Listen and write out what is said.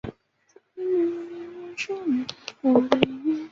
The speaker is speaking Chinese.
特姆尼茨塔尔是德国勃兰登堡州的一个市镇。